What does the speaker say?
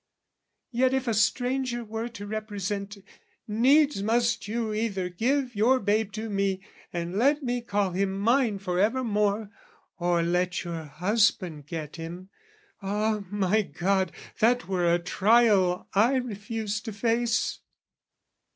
Yet if a stranger were to represent "Needs must you either give your babe to me "And let me call him mine for ever more, "Or let your husband get him" ah, my God, That were a trial I refuse to face!